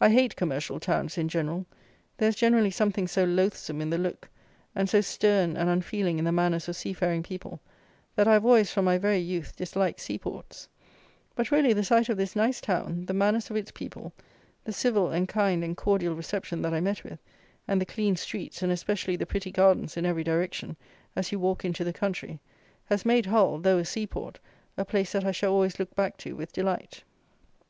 I hate commercial towns in general: there is generally something so loathsome in the look, and so stern and unfeeling in the manners of seafaring people, that I have always, from my very youth, disliked sea ports; but really the sight of this nice town, the manners of its people, the civil, and kind and cordial reception that I met with, and the clean streets, and especially the pretty gardens in every direction, as you walk into the country, has made Hull, though a sea port, a place that I shall always look back to with delight.